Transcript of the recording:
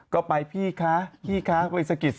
ก็ไปพี่คะพี่คะไปสะกิด